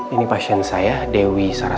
ini pasien saya dewi sarah